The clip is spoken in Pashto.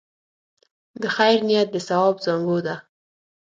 د خیر نیت د ثواب زانګو ده.